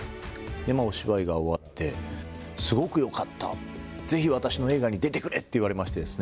お芝居が終わって、すごくよかった、ぜひ私の映画に出てくれって言われましてですね。